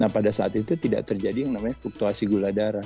pada saat itu tidak terjadi yang namanya fluktuasi gula darah